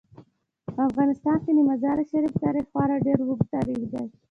په افغانستان کې د مزارشریف تاریخ خورا ډیر اوږد تاریخ دی.